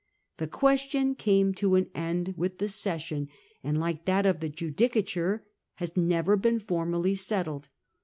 The question came to an end with the session, and, like that of the judicature, has never been formally settled.